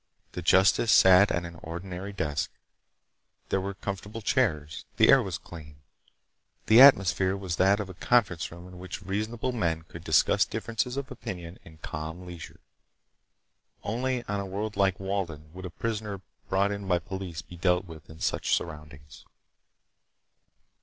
The justice sat at an ordinary desk. There were comfortable chairs. The air was clean. The atmosphere was that of a conference room in which reasonable men could discuss differences of opinion in calm leisure. Only on a world like Walden would a prisoner brought in by police be dealt with in such surroundings.